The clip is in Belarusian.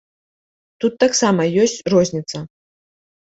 Тут таксама ёсць розніца.